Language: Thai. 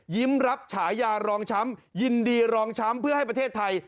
รับฉายารองช้ำยินดีรองช้ำเพื่อให้ประเทศไทย